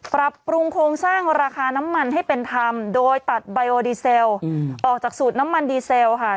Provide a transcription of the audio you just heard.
ปรับปรุงโครงสร้างราคาน้ำมันให้เป็นธรรมโดยตัดไบโอดีเซลออกจากสูตรน้ำมันดีเซลค่ะ